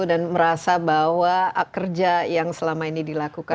merasa bahwa kerja yang selama ini dilakukan